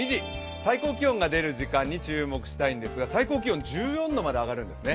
最高気温が出る時間に注目したいんですが最高気温は１４度まで上がるんですね。